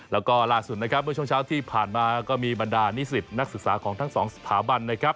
แล้วก็ล่าสุดเมื่อช่วงเช้าที่ผ่านมาก็มีบรรดานิสิตนักศึกษาของทั้ง๒สถาบัน